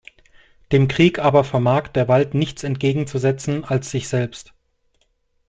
Dem Krieg aber vermag der Wald nichts entgegenzusetzen als sich selbst.